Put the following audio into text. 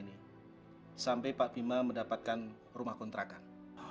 ini sampai pak bima mendapatkan rumah kontrakan